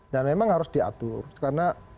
dan memang harus diatur karena